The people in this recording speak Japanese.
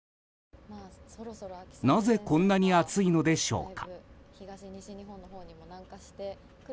なぜこんなに暑いのでしょうか。